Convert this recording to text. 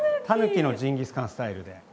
タヌキのジンギスカンスタイルで。